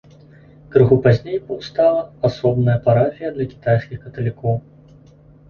Крыху пазней паўстала асобная парафія для кітайскіх каталікоў.